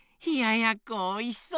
やっこおいしそう！